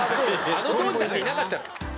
あの当時だっていなかったろ。